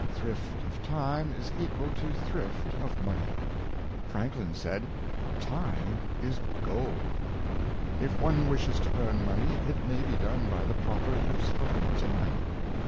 Thrift of time is equal to thrift of money. Franklin said, " Time is gold." If one wishes to earn money, it may be done by the proper use of time.